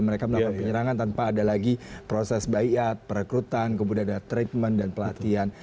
mereka melakukan penyerangan tanpa ada lagi proses bayat perekrutan kemudian ada treatment dan pelatihan